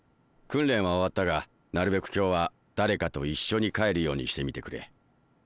訓練は終わったがなるべく今日は誰かと一緒に帰るようにしてみてくれ。